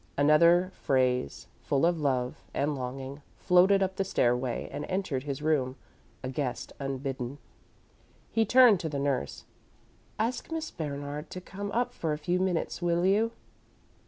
Another phrase, full of love and longing, floated up the stairway and entered his room, a guest unbidden. [Illustration: musical notation.] He turned to the nurse. "Ask Miss Bernard to come up for a few minutes, will you?"